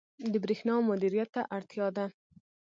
• د برېښنا مدیریت ته اړتیا ده.